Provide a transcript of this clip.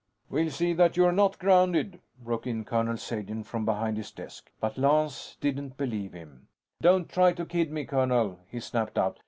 "We'll see that you're not grounded," broke in Colonel Sagen, from behind his desk. But Lance didn't believe him. "Don't try to kid me, colonel," he snapped out.